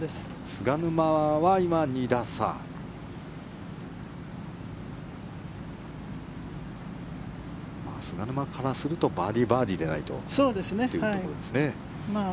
菅沼からするとバーディー、バーディーでないとというところですね。